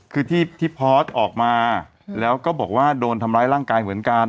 คือที่พอร์ตออกมาแล้วก็บอกว่าโดนทำร้ายร่างกายเหมือนกัน